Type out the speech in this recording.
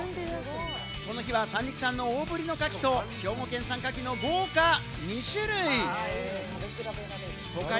この日は三陸産の大ぶりのカキと、兵庫県産カキの豪華２種類。